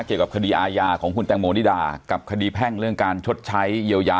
เกี่ยวกับคดีอาญาของคุณแตงโมนิดากับคดีแพ่งเรื่องการชดใช้เยียวยา